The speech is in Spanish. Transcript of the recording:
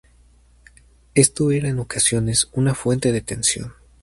Esto era en ocasiones una fuente de tensión.